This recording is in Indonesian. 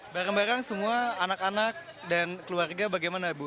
bareng bareng semua anak anak dan keluarga bagaimana bu